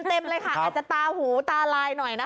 เต็มเลยค่ะอาจจะตาหูตาลายหน่อยนะคะ